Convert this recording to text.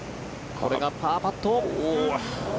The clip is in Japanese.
これがパーパット。